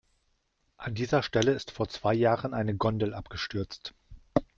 An dieser Stelle ist vor zwei Jahren eine Gondel abgestürzt.